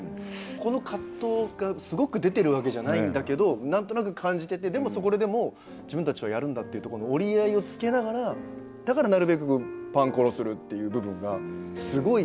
この葛藤がすごく出てるわけじゃないんだけど何となく感じててでもそれでも自分たちはやるんだっていうとこの折り合いをつけながらだからなるべくパンコロするっていう部分がすごい